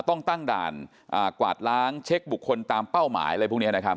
ต้องตั้งด่านกวาดล้างเช็คบุคคลตามเป้าหมายอะไรพวกนี้นะครับ